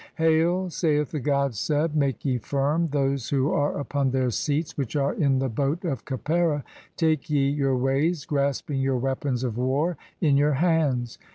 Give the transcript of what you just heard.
'Hail', saith the god Seb, "Make ye firm those who are upon their seats which are in the 'boat of Khepera, (17) take ye your ways, [grasping] your 'weapons of war in your hands.'